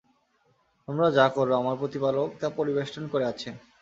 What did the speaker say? তোমরা যা কর আমার প্রতিপালক তা পরিবেষ্টন করে আছেন।